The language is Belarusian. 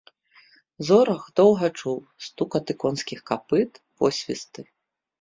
Зорах доўга чуў стукаты конскіх капыт, посвісты.